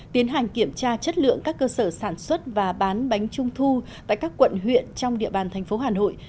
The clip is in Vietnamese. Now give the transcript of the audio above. tiến hành kiểm tra chất lượng các cơ sở sản xuất và bán bánh trung thu tại các quận huyện trong địa bàn thành phố hà nội